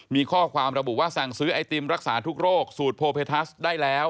มีข้อความระบุว่าสั่งซื้อไอติมรักษาทุกโรคสูตรโพเพทัสได้แล้ว